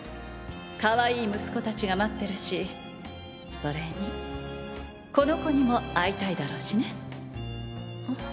かわいい息子たちが待ってるしそれにこの子にも会いたいだろうしねん